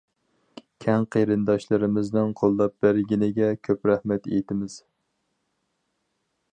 كەڭ قېرىنداشلىرىمىزنىڭ قوللاپ بەرگىنىگە كۆپ رەھمەت ئېيتىمىز.